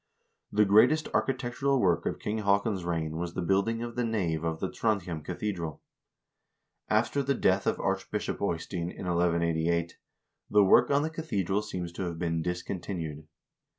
The greatest architec tural work of King Haakon's reign was the building of the nave of the Trondhjem cathedral. After the death of Archbishop Eystein, in 1 188, the work on the cathedral seems to have been discontinued.